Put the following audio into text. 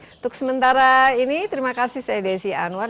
untuk sementara ini terima kasih saya desi anwar